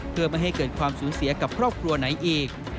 เพื่อไม่ให้เกิดความสูญเสียกับครอบครัวไหนอีก